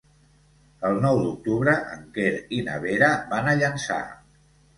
El nou d'octubre en Quer i na Vera van a Llançà.